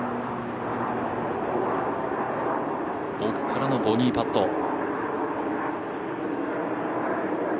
奥からのボギーパット。